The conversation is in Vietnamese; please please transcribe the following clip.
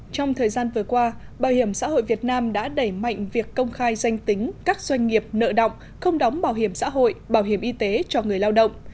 trong thời gian vừa qua bảo hiểm xã hội việt nam đã đẩy mạnh việc công khai danh tính các doanh nghiệp nợ động không đóng bảo hiểm xã hội bảo hiểm y tế cho người lao động